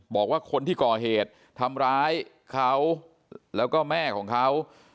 บอกว่าคนที่ก่อเหตุทำร้ายเขาแล้วก็แม่ของเขา